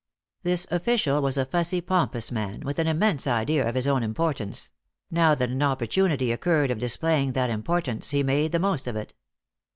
This official was a fussy, pompous man, with an immense idea of his own importance; now that an opportunity occurred of displaying that importance he made the most of it.